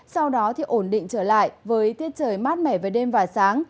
sau đó thì ổn định trở lại với tiết trời mát mẻ về đêm và sáng